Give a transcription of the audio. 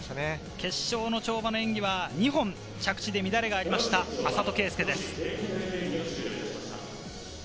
決勝の跳馬の演技は２本着地で乱れがありました、安里圭亮です。